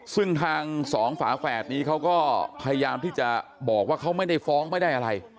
ซึ่งทางสองฝาแฝดนี้เขาก็พยายามที่จะบอกว่าเขาไม่ได้ฟ้องไม่ได้อะไร